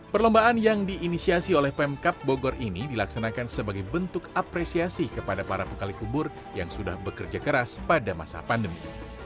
perlombaan yang diinisiasi oleh pemkap bogor ini dilaksanakan sebagai bentuk apresiasi kepada para pekali kubur yang sudah bekerja keras pada masa pandemi